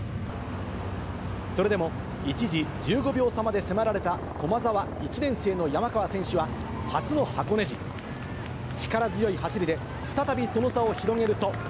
それでも一時１５秒差まで迫られた、駒澤１年生の山川選手は、初の箱根路、力強い走りで、再びその差を広げると。